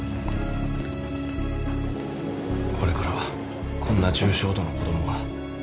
これからこんな重傷度の子供が。